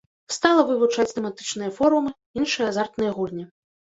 Стала вывучаць тэматычныя форумы, іншыя азартныя гульні.